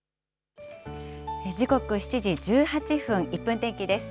時刻、７時１８分、１分天気です。